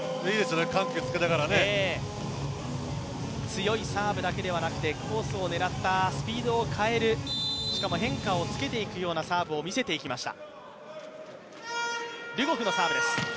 強いサーブだけではなくてコースを狙ったスピードを変えるしかも変化をつけていくようなサーブを見せていきました。